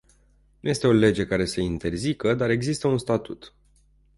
Nu este o lege care să-i interzică, dar există un statut.